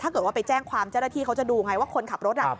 ถ้าเกิดว่าไปแจ้งความเจรฐีเขาจะดูไงว่าคนขับรถอ่ะ